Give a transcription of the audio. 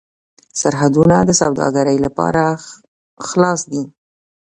سرحدونه د سوداګرۍ لپاره خلاص دي.